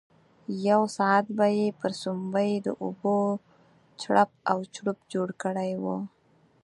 یو ساعت به یې پر سومبۍ د اوبو چړپ او چړوپ جوړ کړی وو.